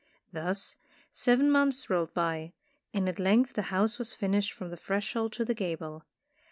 Thus seven months rolled by, and at length the house was finished from the threshold to the gable.